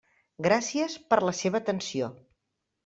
Gràcies per la seva atenció.